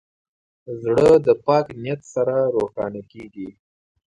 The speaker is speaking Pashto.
زړه د پاک نیت سره روښانه کېږي.